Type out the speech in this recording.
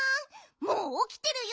もうおきてるよ